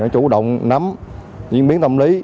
chủ động nắm diễn biến tâm lý